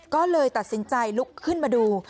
ก็เลยตัดสินใจลุกขึ้นมาดู